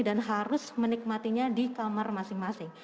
dan harus menikmatinya di kamar masing masing